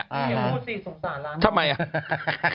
เดี๋ยวพูดสิสงสารแล้วน้องทำไมอ่ะ